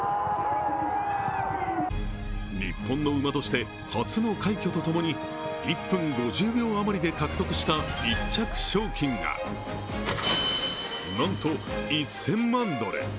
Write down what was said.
日本の馬として初の快挙とともに１分５０秒余りで稼得した１着賞金がなんと１０００万ドル。